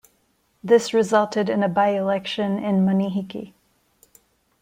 This resulted in a by-election in Manihiki.